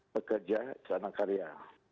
pekerja istana karya